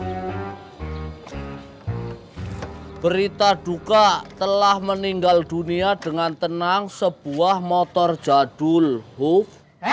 hai berita duka telah meninggal dunia dengan tenang sebuah motor jadul huk